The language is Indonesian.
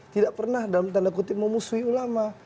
tidak pernah dalam tanda kutip memusuhi ulama